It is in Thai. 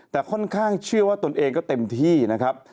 แต่ค่อนข้างเชื่อว่าตนเองก็เต็มที่นะครับ